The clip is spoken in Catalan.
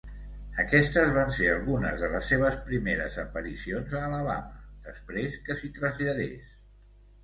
Aquestes van ser algunes de les seves primeres aparicions a Alabama després que s'hi traslladés.